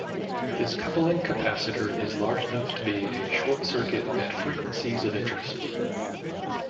This coupling capacitor is large enough to be a short-circuit at frequencies of interest.